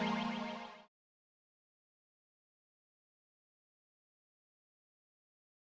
sampe kira ya